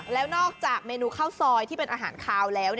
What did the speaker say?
แล้วนอกจากเมนูข้าวซอยที่เป็นอาหารคาวแล้ว